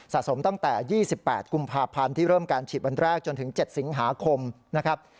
สมตั้งแต่๒๘กุมภาพันธ์ที่เริ่มการฉีดวันแรกจนถึง๗สิงหาคมนะครับ